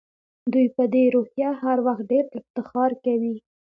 دوی په دې روحیه هر وخت ډېر افتخار کوي.